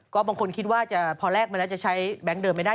ก็บางคนคิดว่าพอแลกมาแล้วจะใช้แบงค์เดิมไม่ได้